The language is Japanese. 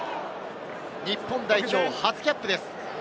日本代表初キャップです。